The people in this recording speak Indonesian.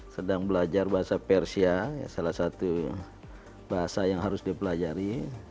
sedang belajar bahasa persia salah satu bahasa yang harus dipelajari